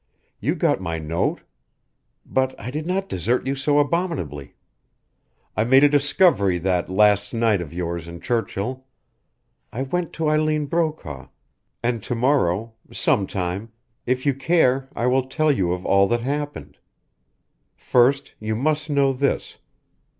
You got my note? But I did not desert you so abominably. I made a discovery that last night of yours in Churchill. I went to Eileen Brokaw, and to morrow some time if you care I will tell you of all that happened. First you must know this.